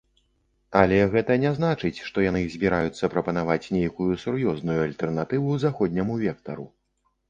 Але гэта не значыць, што яны збіраюцца прапанаваць нейкую сур'ёзную альтэрнатыву заходняму вектару.